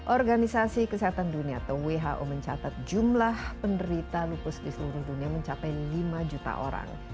organisasi kesehatan dunia atau who mencatat jumlah penderita lupus di seluruh dunia mencapai lima juta orang